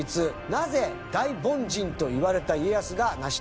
なぜ大凡人といわれた家康が成し遂げられたのか？